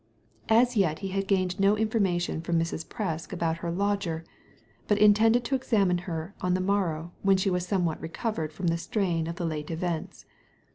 As yet he had gained no information from Mrs. Presk about her lodger, but intended to examine her on the morrow when she was somewhat re covered from the strain of the late events.